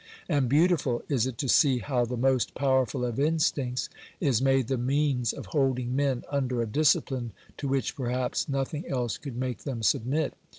And beautiful is it to see how the most power ful of instincts is made the means of holding men under a disci pline to which, perhaps, nothing else could make them submit.